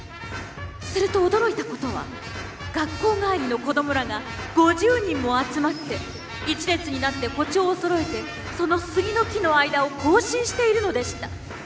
すると驚いたことは学校帰りの子供らが５０人も集まって一列になって歩調をそろえてその杉の木の間を行進しているのでした。